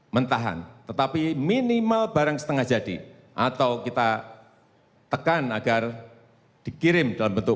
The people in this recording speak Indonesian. mentahan tetapi minimal barang setengah jadi atau kita tekan agar dikirim dalam bentuk